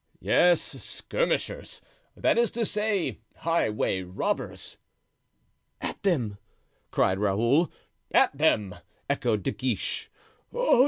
"Yes, skirmishers; that is to say, highway robbers." "At them!" cried Raoul. "At them!" echoed De Guiche. "Oh!